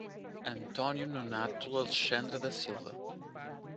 Antônio Nonato Alexandre da Silva